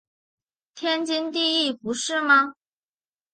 天经地义不是吗？